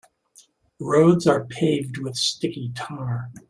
Roads are paved with sticky tar.